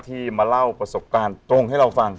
ที่มาเล่าประสบการณ์ตรงให้เราฟัง